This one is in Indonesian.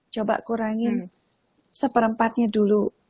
coba kurangin seperempatnya dulu